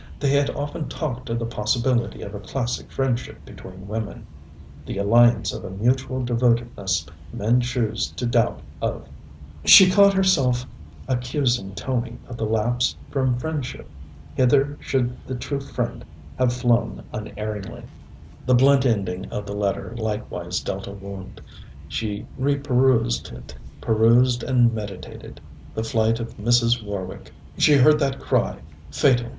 They had often talked of the possibility of a classic friendship between women, the alliance of a mutual devotedness men choose to doubt of. She caught herself accusing Tony of the lapse from friendship. Hither should the true friend have flown unerringly. The blunt ending of the letter likewise dealt a wound. She reperused it, perused and meditated. The flight of Mrs. Warwick! She heard that cry fatal!